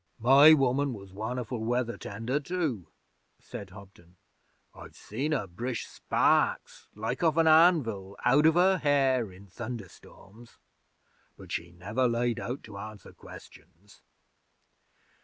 'My woman was won'erful weather tender, too,' said Hobden. 'I've seen her brish sparks like off an anvil out of her hair in thunderstorms. But she never laid out to answer Questions.'